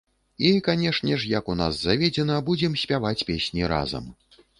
І, канешне ж, як у нас заведзена, будзем спяваць песні разам.